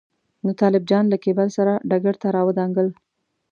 نو طالب جان له کېبل سره ډګر ته راودانګل.